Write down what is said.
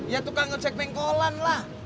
ya tukang ojek pengkolan lah